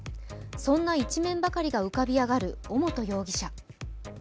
そんな一面ばかりが浮かび上がる尾本容疑者。